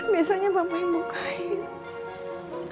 biasanya papa yang bukain